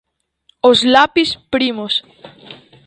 Os lapis primos.